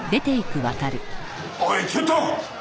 おいちょっと！